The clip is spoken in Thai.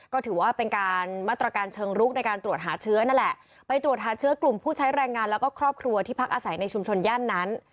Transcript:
ก็ถือว่าเป็นการมาตรการเชิงลุกในการตรวจหาเชื้อนั่นแหละไปตรวจหาเชื้อกลุ่มผู้ใช้แรงงานแล้วก็ครอบครัวที่พักอาศัยในชุมชนย่านนั้น